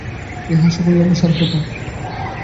ইহাই সকল ধর্মের সার কথা।